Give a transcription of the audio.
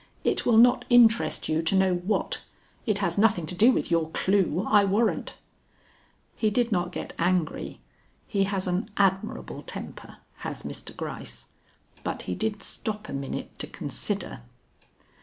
It will not interest you to know what. It has nothing to do with your clue, I warrant." He did not get angry. He has an admirable temper, has Mr. Gryce, but he did stop a minute to consider.